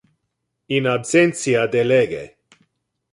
In absentia de lege.